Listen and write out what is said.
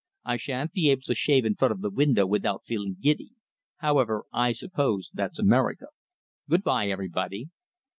"I shan't be able to shave in front of the window without feeling giddy. However, I suppose that's America. Good by, everybody."